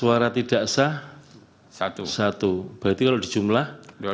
suara tidak sah satu berarti kalau di jumlah